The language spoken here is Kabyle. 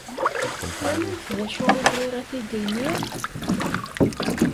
Twalamt d acu i bɣiɣ ad t-id-iniɣ?